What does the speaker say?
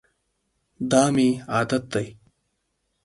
دا مي عادت دی .